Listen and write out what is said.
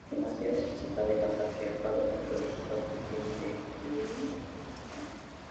Es la sede principal del Patriarcado Católico Armenio de Cilicia.